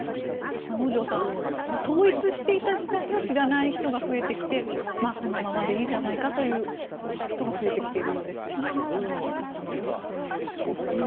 能條さん、統一していた時代を知らない人が増えてきて、このままでいいじゃないかという人が増えてきているようですがここまででいかがでしょうか。